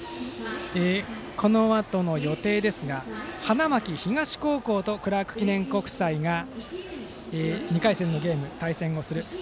このあとの予定ですが花巻東高校とクラーク記念国際が２回戦のゲームで対戦します。